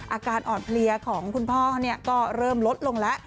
อาการอ่อนเพลียของคุณพ่อก็เริ่มลดลงแล้ว